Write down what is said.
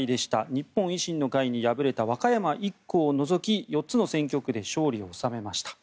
日本維新の会に敗れた和歌山１区を除き４つの選挙区で勝利を収めました。